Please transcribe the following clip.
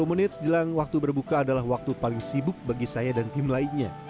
sepuluh menit jelang waktu berbuka adalah waktu paling sibuk bagi saya dan tim lainnya